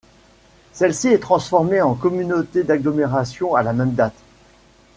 Celle-ci est transformée en communauté d'agglomération à la même date.